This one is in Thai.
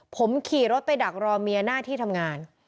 ผมขี่รถไปดักรอเมียหน้าที่ทำงาน